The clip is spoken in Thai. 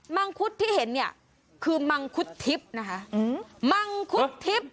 มังคุดที่เห็นเนี่ยคือมังคุดทิพย์นะคะ